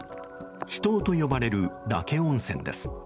秘湯と呼ばれる嶽温泉です。